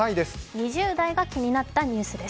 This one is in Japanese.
２０代が気になったニュースです。